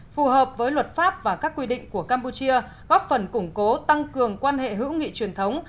phù hợp với luật pháp và các quy định của campuchia góp phần củng cố tăng cường quan hệ hữu nghị truyền thống